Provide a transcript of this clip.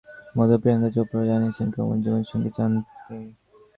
চলতি মাসের শুরুর দিকে দীপিকার মতো প্রিয়াংকা চোপড়াও জানিয়েছিলেন কেমন জীবনসঙ্গী চান তিনি।